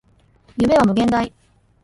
夢は無限大